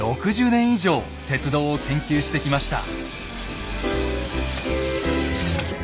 ６０年以上鉄道を研究してきました。